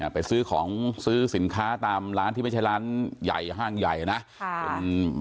ไปซื้อของซื้อสินค้าตามร้านที่ไม่ใช่ร้านใหญ่ห้างใหญ่นะ